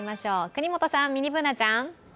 國本さん、ミニＢｏｏｎａちゃん。